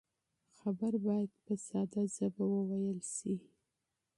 خبر باید په ساده ژبه بیان شي.